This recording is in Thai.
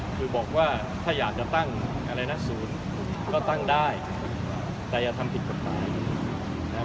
คือบอกว่าถ้าอยากจะตั้งอะไรนะศูนย์ก็ตั้งได้แต่อย่าทำผิดกฎหมายนะครับ